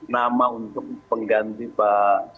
nama untuk pengganti pak